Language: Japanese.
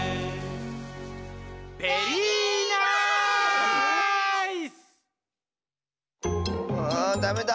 「ベリーナいす！」はあダメだ。